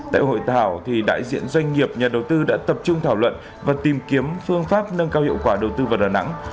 tại hội thảo đại diện doanh nghiệp nhà đầu tư đã tập trung thảo luận và tìm kiếm phương pháp nâng cao hiệu quả đầu tư vào đà nẵng